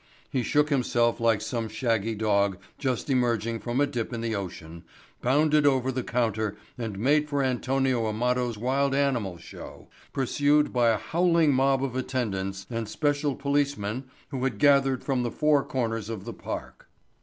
He shook himself like some shaggy dog just emerging from a dip in the ocean, bounded over the counter and made for Antonio Amado's wild animal show, pursued by a howling mob of attendants and special policemen who had gathered from the four corners of the park.